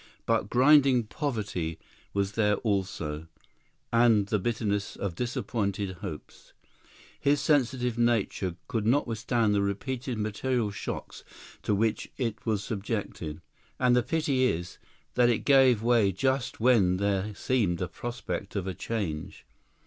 but grinding poverty was there also, and the bitterness of disappointed hopes. His sensitive nature could not withstand the repeated material shocks to which it was subjected. And the pity is, that it gave way just when there seemed a prospect of a change.